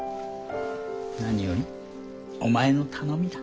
何よりお前の頼みだ。